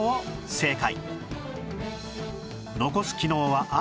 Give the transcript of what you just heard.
正解！